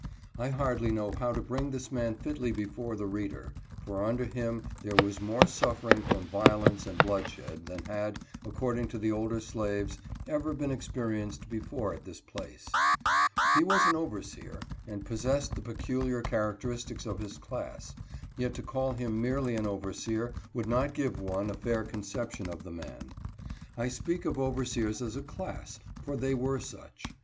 I hardly know how to bring this man fitly before the reader ; for under him there was more suffering from vio lence and bloodshed than had, according to the older slaves, ever been experienced before at this place. He was an overseer, and possessed the peculiar characteris tics of his class; yet to call him merely an overseer would not give one a fair conception of the man. I speak of overseers as a class, for they were such.